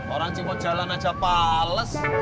orang cuma jalan aja pales